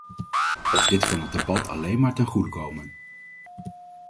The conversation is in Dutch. Dit kan het debat alleen maar ten goede komen.